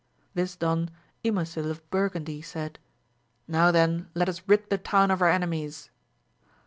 This done Ymosil of Burgundy said, Now then let us rid the town of our ememies.